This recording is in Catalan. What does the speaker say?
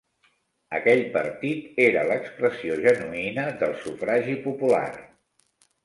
Aquell partit era l'expressió genuïna del sufragi popular.